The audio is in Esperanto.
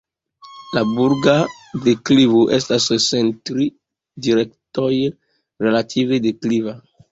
La burga deklivo estas en tri direktoj relative dekliva.